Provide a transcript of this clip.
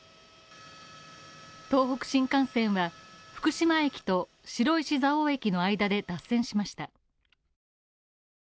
東北新幹線は、福島駅と白石蔵王駅の間で脱線しました。